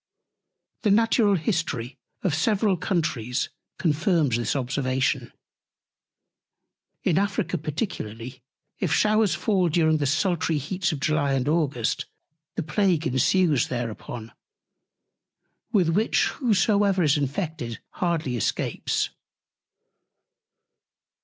The Natural History of several Countries confirms this Observation; in Africa particularly, if Showers fall during the sultry Heats of July and August, the Plague ensues thereupon, with which whosoever is infected hardly escapes.